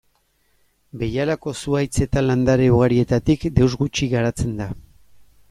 Behialako zuhaitz eta landare ugarietatik deus gutxi geratzen da.